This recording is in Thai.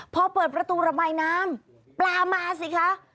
พอเปิดประตูระบายน้ำปลามาสิคะ